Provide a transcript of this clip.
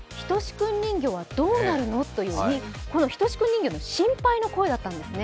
君人形はどうなるのとヒトシ君人形の心配の声だったんですね。